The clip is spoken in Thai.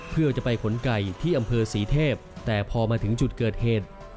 เพื่อจะไปขนไก่ที่อำเภอศรีเทพแต่พอมาถึงจุดเกิดเหตุ